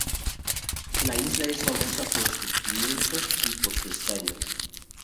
La isla es famosa por sus pimientos y por su estaño.